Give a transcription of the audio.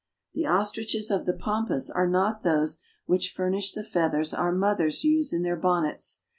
The ostriches of the pampas are not those which furnish the feathers our mothers use in their bonnets.